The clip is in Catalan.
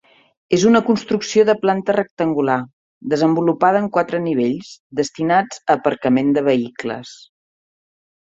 És una construcció de planta rectangular, desenvolupada en quatre nivells, destinats a aparcament de vehicles.